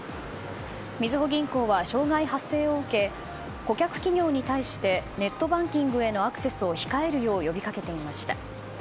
みずほ銀行は障害発生を受け顧客企業に対してネットバンキングへのアクセスを控えるよう呼びかけていました。